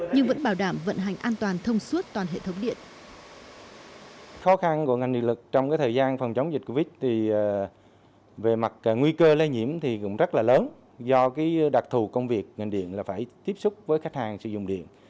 nhưng vẫn bảo đảm vận hành an toàn thông suốt toàn hệ thống điện